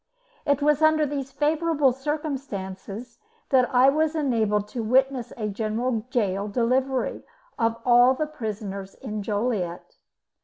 It was under these favourable circumstancesthat I was enabled to witness a General Gaol Delivery of all the prisoners in Joliet.